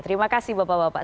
terima kasih bapak bapak